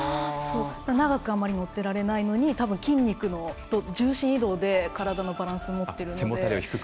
長く乗ってられないのに筋肉の重心移動で体のバランス保ってるので。